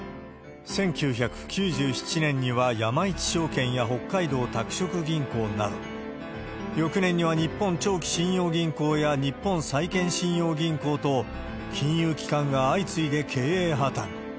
１９９７年には山一証券や北海道拓殖銀行など、翌年には日本長期信用銀行や日本債券信用銀行と、金融機関が相次いで経営破綻。